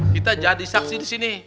kita jadi saksi di sini